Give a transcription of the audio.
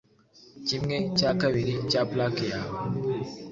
Kimwe cya kabiri cya plaque yawe